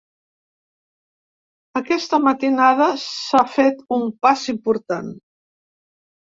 Aquesta matinada s’ha fet un pas important.